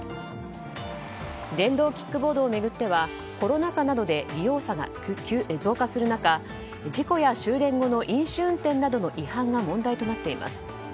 電動キックボードを巡ってはコロナ禍などで利用者が増加する中事故や終電後の飲酒運転などの違反が問題となっています。